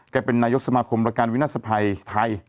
เป็นนายกสมาคมประกันวินาศภัยไทย